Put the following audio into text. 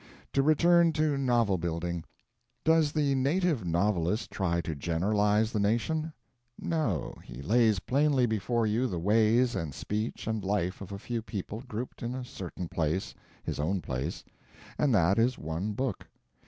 To return to novel building. Does the native novelist try to generalize the nation? No, he lays plainly before you the ways and speech and life of a few people grouped in a certain place his own place and that is one book.